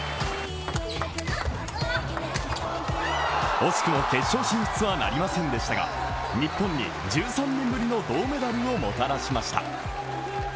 惜しくも決勝進出はなりませんでしたが、日本に１３年ぶりの銅メダルをもたらしました。